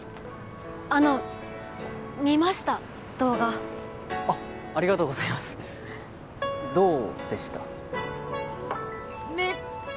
あの見ました動画あっありがとうございますどうでした？